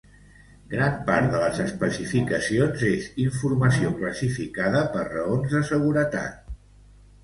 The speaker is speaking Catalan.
Gran part de les especificacions és informació classificada per raons de seguretat.